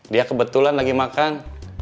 dia kebetulan lagi makan